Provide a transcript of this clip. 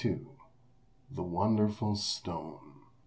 XLII. THE WONDERFUL STONE.